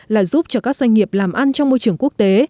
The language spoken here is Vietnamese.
là giúp cho các doanh nghiệp làm ăn trong môi trường quốc tế